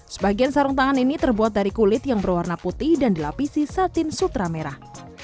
sebagian sarung tangan ini terbuat dari kulit yang berwarna putih dan dilapisi satin sutra merah